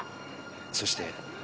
そして。